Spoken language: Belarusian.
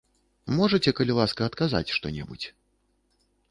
Можаце, калі ласка, адказаць што-небудзь?